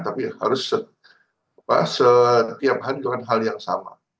tapi harus setiap hari melakukan hal yang sama